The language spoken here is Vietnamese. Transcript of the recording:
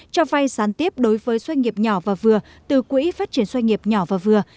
cho vay sán tiếp đối với doanh nghiệp nhỏ và vừa từ quỹ phát triển doanh nghiệp nhỏ và vừa